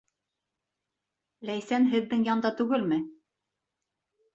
— Ләйсән һеҙҙең янда түгелме?